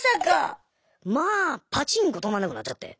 まあパチンコ止まんなくなっちゃって。